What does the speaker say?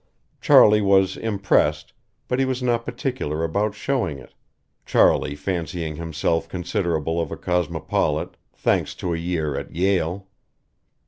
Charley was impressed but he was not particular about showing it Charley fancying himself considerable of a cosmopolite, thanks to a year at Yale.